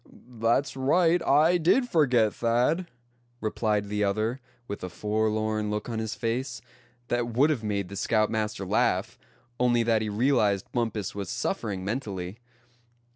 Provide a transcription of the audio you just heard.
"That's right, I did forget, Thad," replied the other, with a forlorn look on his face, that would have made the scoutmaster laugh, only that he realized Bumpus was suffering mentally.